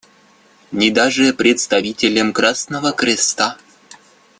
Ни даже представителям Красного Креста.